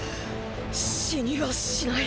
死にはしない